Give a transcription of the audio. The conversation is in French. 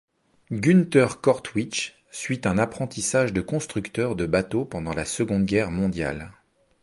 Gunther Kortwich suit un apprentissage de constructeur de bateaux pendant la Seconde Guerre mondiale.